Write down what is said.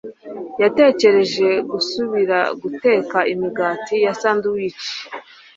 Yatekereje gusubira guteka imigati ya sandwiches